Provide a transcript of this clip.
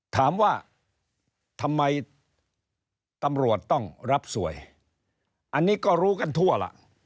ถามว่าทำไมตำรวจต้องรับสวยอันนี้ก็รู้กันทั่วล่ะ